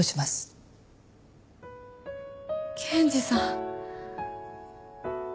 検事さん。